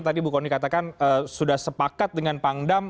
tadi bu kony katakan sudah sepakat dengan pangdam